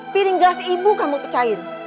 piring gelas ibu kamu pecahin